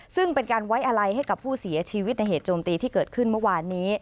ซึ่งเป็นการไว้อะไรให้กับผู้เสียชีวิตในเหตุโจมตีที่เกิดขึ้นเมื่อวานนี้